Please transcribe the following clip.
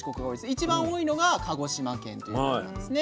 一番多いのが鹿児島県ということなんですね。